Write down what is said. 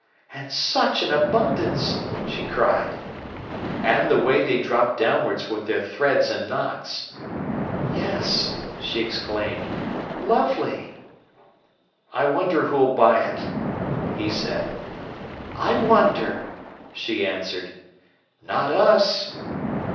"And such an abundance!" she cried. "And the way they drop downwards with their threads and knots!" "Yes!" she exclaimed. "Lovely!" "I wonder who'll buy it!" he said. "I wonder!" she answered. "Not us."